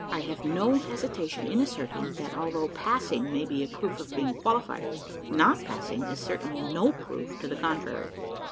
I have no hesitation in asserting, that although "passing" may be a proof of being qualified, "not passing" is certainly no proof to the contrary.